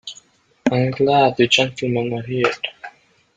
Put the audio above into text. I'm glad you gentlemen are here.